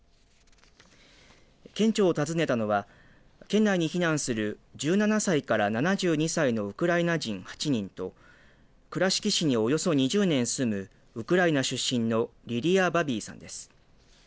県庁を訪ねたのは県内に避難する１７歳から７２歳のウクライナ人８人と倉敷市におよそ２０年住むウクライナ出身のリリヤ・バビィさんです。